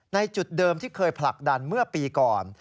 จุดเดิมที่เคยผลักดันเมื่อปีก่อน